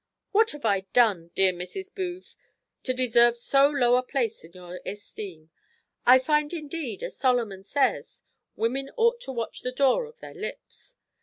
What have I done, dear Mrs. Booth, to deserve so low a place in your esteem? I find indeed, as Solomon says, _Women ought to watch the door of their lips.